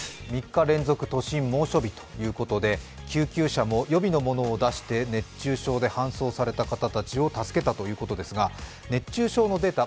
３日連続都心、猛暑日ということで救急車も呼びのものを出して熱中症を発症した方を助けたということですが熱中症のデータ